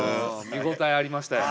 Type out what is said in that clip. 見応えありましたよ。